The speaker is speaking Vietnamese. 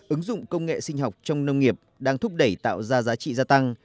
ứng dụng công nghệ sinh học trong nông nghiệp đang thúc đẩy tạo ra giá trị gia tăng